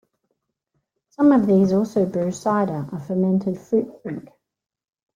Some of these also brew cider, a fermented fruit drink.